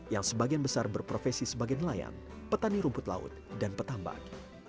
yang sebagian besar berprofesi sebagai nelayan petani rumput laut dan petambak